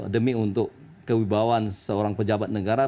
demi untuk kewibawaan seorang pejabat negara